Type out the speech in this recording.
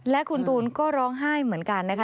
และคุณตูนก็ร้องไห้เหมือนกันนะคะ